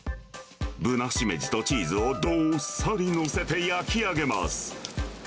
ブナシメジとチーズをどっさり載せて焼き上げます。